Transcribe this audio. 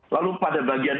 lalu pada bagian